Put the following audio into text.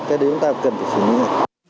cái đấy chúng ta cần phải xử lý